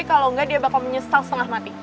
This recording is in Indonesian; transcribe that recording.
kalau enggak dia bakal menyesal setengah mati